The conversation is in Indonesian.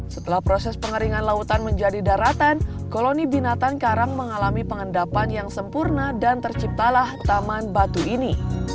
setelah proses pengeringan lautan menjadi daratan koloni binatang karang mengalami pengendapan yang sempurna dan terciptalah taman batu ini